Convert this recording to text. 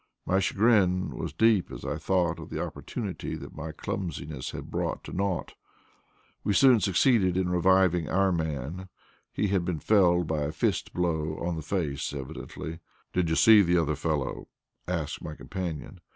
My chagrin was deep as I thought of the opportunity that my clumsiness had brought to naught. We soon succeeded in reviving our man; he had been felled by a fist blow on the face, evidently. "Did you see the other fellow?" asked my companion.